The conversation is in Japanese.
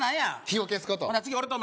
火を消すこと